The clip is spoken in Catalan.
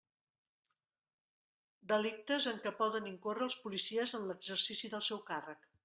Delictes en què poden incórrer els policies en l'exercici del seu càrrec.